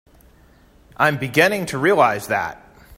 I'm beginning to realize that.